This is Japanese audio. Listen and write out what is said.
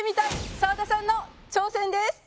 澤田さんの挑戦です。